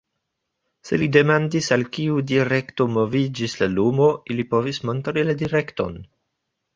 Se li demandis, al kiu direkto moviĝis la lumo, ili povis montri la direkton.